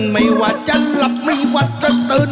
ไม่ว่าจะหลับไม่หวัดจะตื่น